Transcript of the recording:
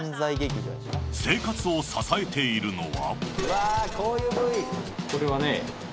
生活を支えているのは。